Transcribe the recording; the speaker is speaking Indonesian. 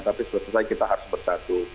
tapi selesai kita harus bersatu